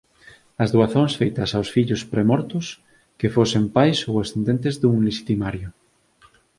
As doazóns feitas aos fillos premortos que fosen pais ou ascendentes dun lexitimario.